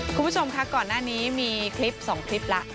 คุณผู้ชมคะก่อนหน้านี้มีคลิป๒คลิปละ